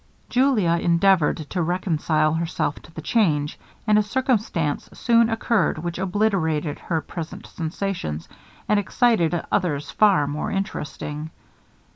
Julia endeavoured to reconcile herself to the change, and a circumstance soon occurred which obliterated her present sensations, and excited others far more interesting.